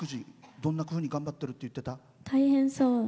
どんなふうに頑張ってるって言ってた？